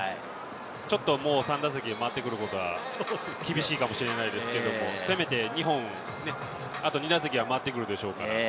ちょっともう３打席回ってくることは厳しいかもしれないですけども、せめて２本、あと２打席は回ってくるでしょうから。